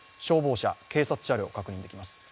消防車、警察車両、確認できます。